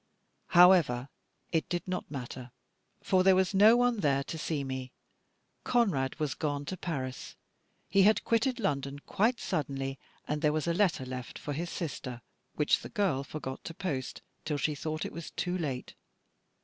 However, it did not matter; for there was no one there to see me. Conrad was gone to Paris; he had quitted London quite suddenly, and there was a letter left for his sister, which the girl forgot to post, till she thought it was too late.